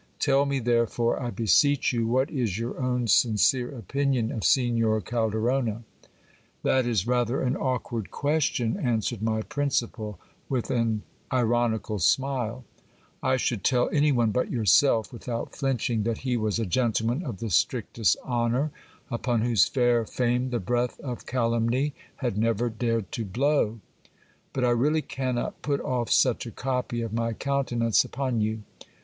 Tell me, therefore, I be seech you, what is your own sincere opinion of Signor Calderona. That is rather an awkward question, answered my principal with an ironical smile I should tell any one but yourself, without flinching, that he was a gentleman of the strictest honour, upon whose fair fame the breath of calumny had never dared to blow ; but I really cannot put off such a copy of my countenance upon you.